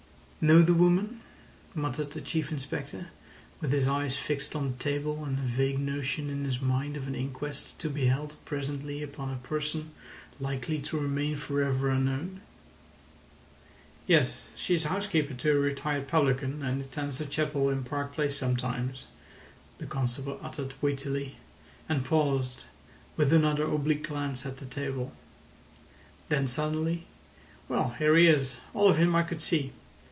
"Know the woman?" muttered the Chief Inspector, with his eyes fixed on the table, and a vague notion in his mind of an inquest to be held presently upon a person likely to remain for ever unknown. "Yes. She's housekeeper to a retired publican, and attends the chapel in Park Place sometimes," the constable uttered weightily, and paused, with another oblique glance at the table. Then suddenly: "Well, here he is—all of him I could see.